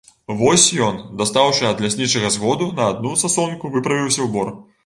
Вось ён, дастаўшы ад ляснічага згоду на адну сасонку, выправіўся ў бор.